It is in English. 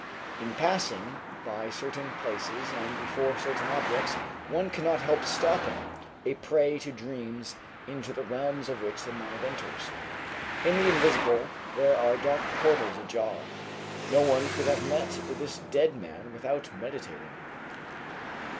In passing by certain places and before certain objects one cannot help stopping a prey to dreams into the realms of which the mind enters. In the invisible there are dark portals ajar. No one could have met this dead man without meditating.